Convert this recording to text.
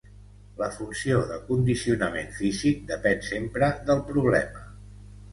La funció de condicionament físic depèn sempre del problema.